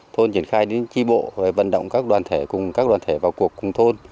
thôn triển khai đến tri bộ và vận động các đoàn thể vào cuộc cùng thôn